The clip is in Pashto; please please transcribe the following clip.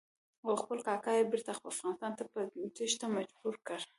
او خپل کاکا یې بېرته افغانستان ته په تېښته مجبور کړ.